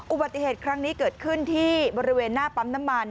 อุบัติเหตุครั้งนี้เกิดขึ้นที่บริเวณหน้าปั๊มน้ำมัน